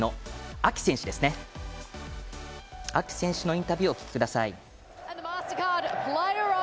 アキ選手のインタビューをお聞きください。